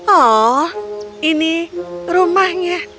oh ini rumahnya